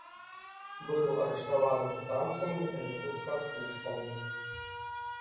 Быў арыштаваны брытанцамі, але хутка адпушчаны.